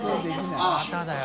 まただよ。